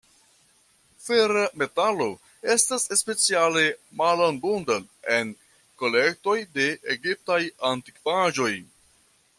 Fera metalo estas speciale malabunda en kolektoj de egiptaj antikvaĵoj.